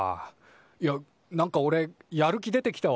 いやなんかおれやる気出てきたわ。